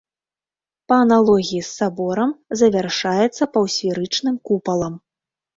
Па аналогіі з саборам завяршаецца паўсферычным купалам.